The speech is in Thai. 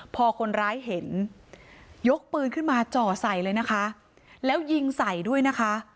พอคนร้ายเห็นยกปืนขึ้นมาจ่อใส่เลยนะคะแล้วยิงใส่ด้วยนะคะ